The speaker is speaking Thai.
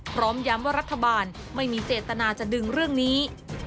พร้อมย้ำว่ารัฐบาลไม่มีเจตนาจะดึงเรื่องนี้